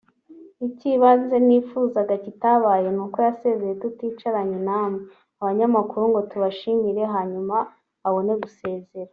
Icy’ibanze nifuzaga kitabaye ni uko yasezeye tuticaranye namwe [abanyamakuru] ngo tubashimire hanyuma abone gusezera